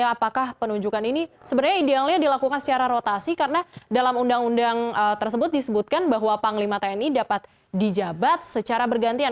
apakah penunjukan ini sebenarnya idealnya dilakukan secara rotasi karena dalam undang undang tersebut disebutkan bahwa panglima tni dapat dijabat secara bergantian